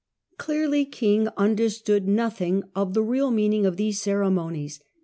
Clearly King understood nothing of the real meaning of these ceremonies.